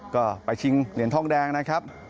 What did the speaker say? ก็ไปชิงเหรียญทองแดงนะครับ